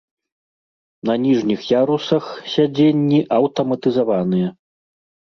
На ніжніх ярусах сядзенні аўтаматызаваныя.